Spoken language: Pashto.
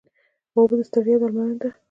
اوبه د ستړیا درملنه ده